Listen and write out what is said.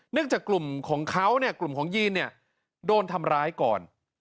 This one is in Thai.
จากกลุ่มของเขาเนี่ยกลุ่มของยีนเนี่ยโดนทำร้ายก่อน